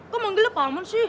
kok manggilnya paman sih